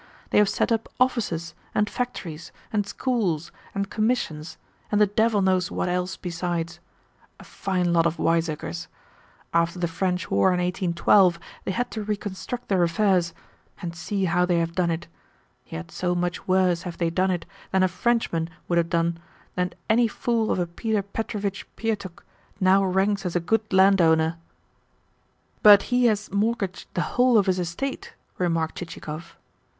They have set up 'offices' and factories and schools and 'commissions,' and the devil knows what else besides. A fine lot of wiseacres! After the French War in 1812 they had to reconstruct their affairs: and see how they have done it! Yet so much worse have they done it than a Frenchman would have done that any fool of a Peter Petrovitch Pietukh now ranks as a good landowner!" "But he has mortgaged the whole of his estate?" remarked Chichikov.